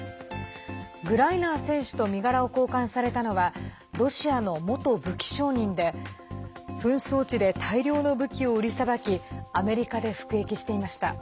グライナー選手と身柄を交換されたのはロシアの元武器商人で紛争地で大量の武器を売りさばきアメリカで服役していました。